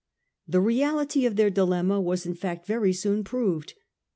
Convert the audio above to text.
The reality of their dilemma was in fact very soon proved.